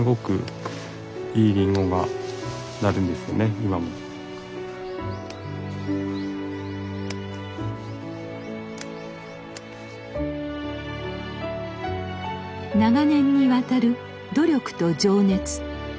祖父の長年にわたる努力と情熱。